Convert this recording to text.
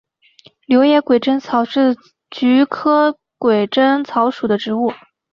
柳叶鬼针草是菊科鬼针草属的植物。